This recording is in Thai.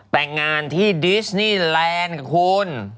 แต่งงานที่ดิสนี่แลนด์คุณ